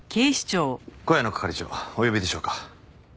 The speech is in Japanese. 小谷野係長お呼びでしょうか？